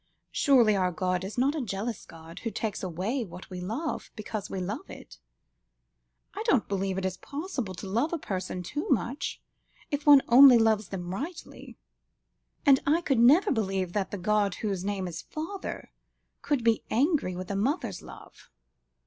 "Surely our God is not a jealous God, Who takes away what we love, because we love it? I don't believe it is possible to love a person too much, if one only loves them rightly. And I could never believe that the God Whose name is Father, could be angry with a mother's love."